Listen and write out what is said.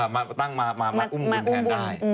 มาตั้งมาอุ้มคุณแทนได้